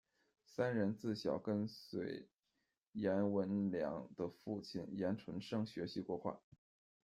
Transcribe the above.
三人自小跟随颜文梁的父亲颜纯生学习国画。